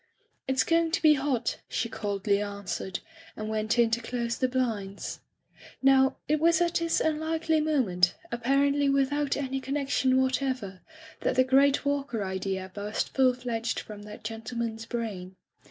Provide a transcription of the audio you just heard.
"It's going to be hot,*' she coldly an swered, and went in to close the blinds. Now, it was at this unlikely moment, ap parently without any connection whatever, that the great Walker idea burst full fledged from that gentleman's brain.